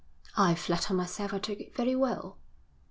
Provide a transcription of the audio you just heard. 'I flatter myself I took it very well.'